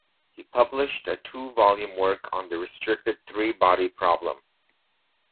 He published a two-volume work on the restricted three-body problem.